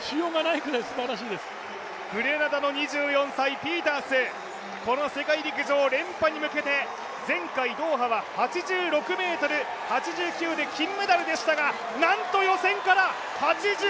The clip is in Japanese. グレナダの２４歳、ピータースこの世界陸上連覇に向けて、前回ドーハは８６ｍ８９で金メダルでしたがなんと予選から８９ｍ９１！